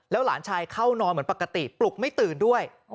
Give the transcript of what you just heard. หลานชายเข้านอนเหมือนปกติปลุกไม่ตื่นด้วย